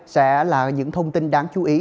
sẽ là những thông tin đáng chú ý